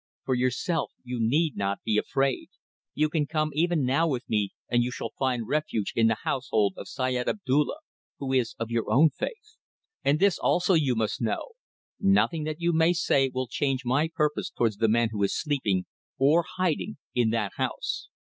For yourself you need not be afraid. You can come even now with me and you shall find refuge in the household of Syed Abdulla who is of your own faith. And this also you must know: nothing that you may say will change my purpose towards the man who is sleeping or hiding in that house."